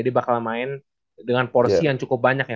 dia bakal main dengan porsi yang cukup banyak ya